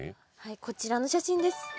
こちらの写真です。